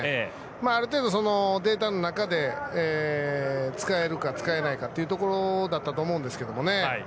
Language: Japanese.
ある程度、データの中で使えるか使えないかっていうところだったと思うんですけどね。